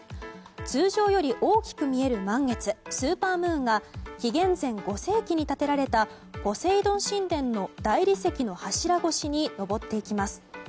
通常より大きく見える満月スーパームーンが紀元前５世紀に立てられたポセイドン神殿の大理石の柱越しに上ってきます。